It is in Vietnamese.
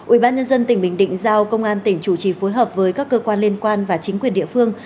ubnd tỉnh bình định giao công an tỉnh chủ trì phối hợp với các cơ quan liên quan và chính quyền địa phương